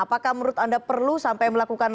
apakah menurut anda perlu sampai melakukan